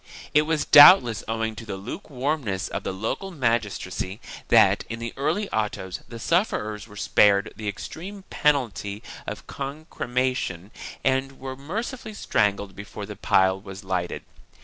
It was doubtless owing to the lukewarmness of the local magistracy that, in the earlier autos, the sufferers were spared the extreme penalty of concrema tion and were mercifully strangled before the pile was lighted.